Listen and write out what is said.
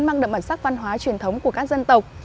mang đậm bản sắc văn hóa truyền thống của các dân tộc